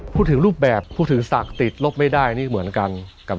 พูดถึงรูปแบบพูดถึงศักดิ์ติดลบไม่ได้นี่เหมือนกันกับ